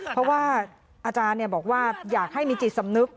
เพราะว่าอาจารย์บอกว่าอยากให้มีจิตสำนึก